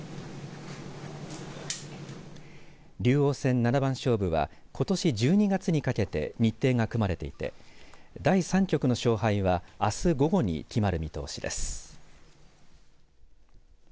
竜王戦七番勝負はことし１２月にかけて日程が組まれていて第３局の勝敗はあす午後に決まる見通しです。